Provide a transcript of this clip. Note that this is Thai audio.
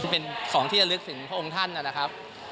เป็นของที่จะลึกถึงพระองค์ท่านนะครับ